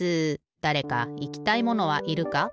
だれかいきたいものはいるか？